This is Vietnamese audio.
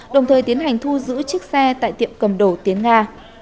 đồng thời tiến hành thu giữ chiếc xe tại tiệm cầm đồ tiến nga